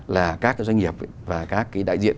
là các cái doanh nghiệp và các cái đại diện